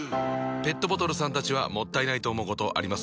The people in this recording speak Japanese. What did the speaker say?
ペットボトルさんたちはもったいないと思うことあります？